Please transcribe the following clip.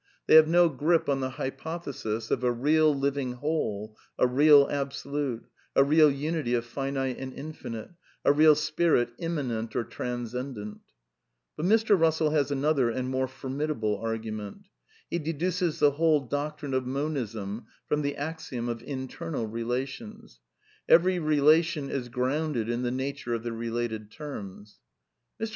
They have no grip on the hy pothesis of a real, living whole, a real Absolute, a real unity of finite and infinite, a real Spirit immanent or transcendent. But Mr. Russell has another and more formidable argu ment. He deduces the whole doctrine of Monism from the axiom of internal relations :" Every relation is grounded in the nature of the related terms." Mr.